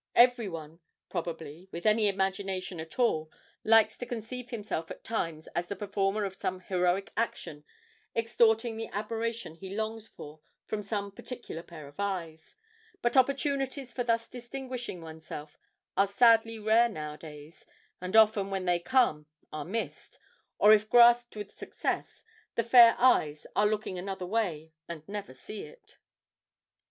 Every one, probably, with any imagination at all likes to conceive himself at times as the performer of some heroic action extorting the admiration he longs for from some particular pair of eyes, but opportunities for thus distinguishing oneself are sadly rare nowadays, and often when they come are missed, or, if grasped with success, the fair eyes are looking another way and never see it.